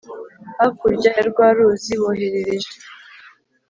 hakurya ya rwa Ruzi boherereje